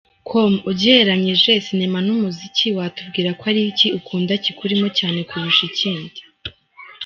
com: ugereranyije sinema n’umuziki, watubwira ko ari iki ukunda kikurimo cyane kurusha ikindi?.